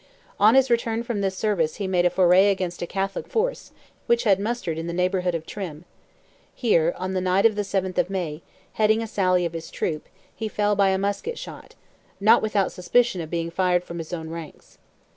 On his return from this service he made a foray against a Catholic force, which had mustered in the neighbourhood of Trim; here, on the night of the 7th of May, heading a sally of his troop, he fell by a musket shot—not without suspicion of being fired from his own ranks.